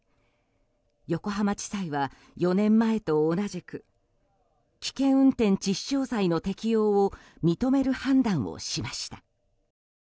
横浜地裁は４年前と同じく危険運転致死傷罪の適用を認める判断をしました。